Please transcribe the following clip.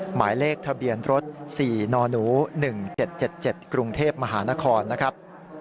หมายเลขทะเบียนรถ๔นหนู๑๗๗กรุงเทพมหานครนะครับ